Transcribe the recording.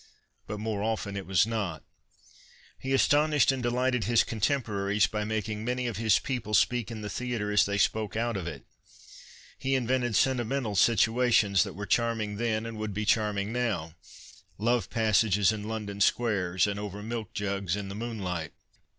But more often it was not. He astonished and delighted his contemporaries by making many of his people speak in the theatre as they spoke out of it. He invented sentimental situations that were charming then and would be charming now — lovx passages in London squares and over milk jugs in the moonlight.